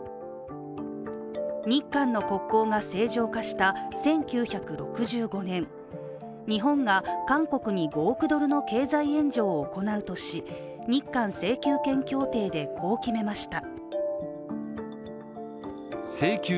日韓の国交が正常化した１９６５年日本が韓国に５億ドルの経済援助を行うとし日韓請求権協定で、こう決めました。